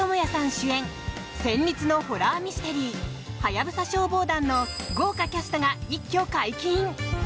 主演戦慄のホラーミステリー「ハヤブサ消防団」の豪華キャストが一挙解禁！